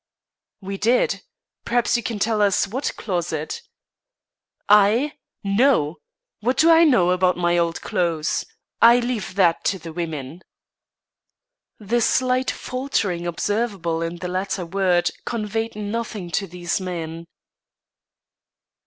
"We did; perhaps you can tell us what closet." "I? No. What do I know about my old clothes? I leave that to the women." The slight faltering observable in the latter word conveyed nothing to these men.